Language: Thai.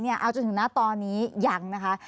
เอาจนถึงณตอนนี้ยังนะคะ